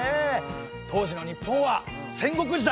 当時の日本は戦国時代。